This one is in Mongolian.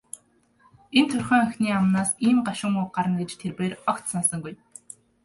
Энэ турьхан охины амнаас ийм гашуун үг гарна гэж тэр бээр огт санасангүй.